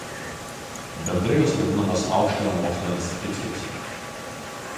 Bendrai jos vadinamos aukštojo mokslo institucijos.